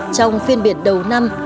trong phiên biển đầu năm